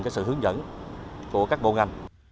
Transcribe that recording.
sự hướng dẫn của các bộ ngành